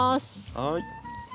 はい。